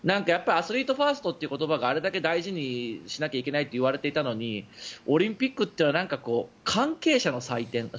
アスリートファーストという言葉があれだけ大事にしないといけないといわれていたのにオリンピックっていうのは関係者の祭典